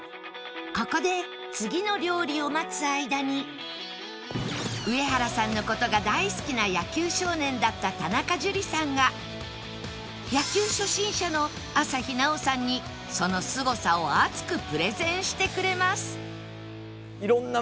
ここで次の上原さんの事が大好きな野球少年だった田中樹さんが野球初心者の朝日奈央さんにそのすごさを熱くプレゼンしてくれます